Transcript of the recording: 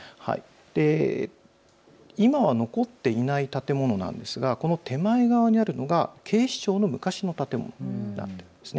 今、残っていない建物なんですがこの手前側にあるのが警視庁の昔の建物なんです。